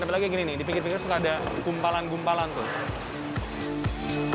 tapi lagi gini nih di pinggir pinggir suka ada kumpalan gumpalan tuh